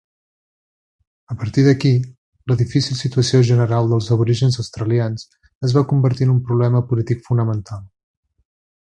A partir d'aquí, la difícil situació general dels aborígens australians es va convertir en un problema polític fonamental.